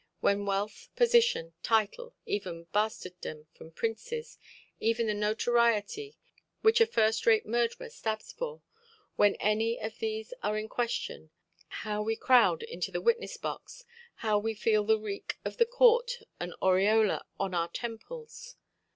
When wealth, position, title, even bastardom from princes, even the notoriety which a first–rate murderer stabs for—when any of these are in question, how we crowd into the witness–box, how we feel the reek of the court an aureola on our temples.